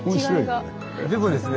でもですね